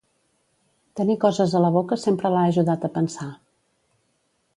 Tenir coses a la boca sempre l'ha ajudat a pensar.